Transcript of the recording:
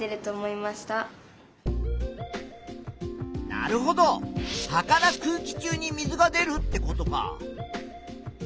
なるほど葉から空気中に水が出るってことか。